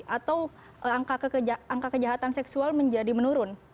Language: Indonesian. atau angka kejahatan seksual menjadi menurun